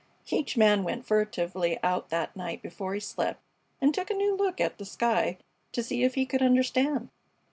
Each man went furtively out that night before he slept and took a new look at the sky to see if he could understand.